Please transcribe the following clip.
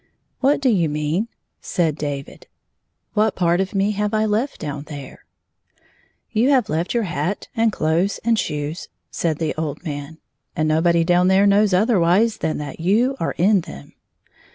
"What do you mean?" said David. "What part of me have I left down there 1 "" You have left your hat and clothes and shoes," said the old man, " and nobody down there knows otherwise than that you are in them."